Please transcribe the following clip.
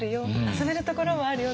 遊べるところもあるよ。